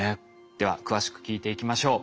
では詳しく聞いていきましょう。